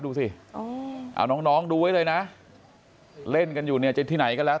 ดูสิเอาน้องดูไว้เลยนะเล่นกันอยู่เนี่ยจะที่ไหนก็แล้ว